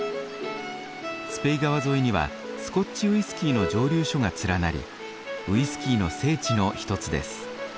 スペイ川沿いにはスコッチウイスキーの蒸留所が連なりウイスキーの聖地の一つです。